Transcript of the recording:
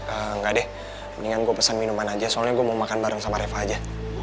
enggak deh mendingan gue pesan minuman aja soalnya gue mau makan bareng sama reva aja